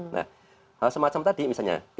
nah semacam tadi misalnya